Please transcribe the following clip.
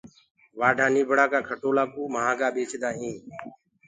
وآڍآ نيٚڀڙآ ڪآ کٽولآ ڪو مهآگآ ٻيچدآ هينٚ